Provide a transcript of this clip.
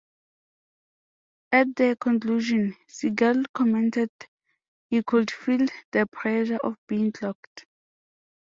At the conclusion, Sigel commented he could feel the pressure of being clocked.